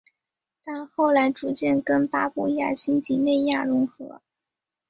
但后来逐渐跟巴布亚新几内亚融合。